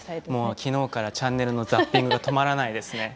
もう、昨日からチャンネルのザッピングが止まらないですね。